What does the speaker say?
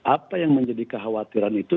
apa yang menjadi kekhawatiran itu